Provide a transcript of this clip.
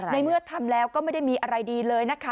ในเมื่อทำแล้วก็ไม่ได้มีอะไรดีเลยนะคะ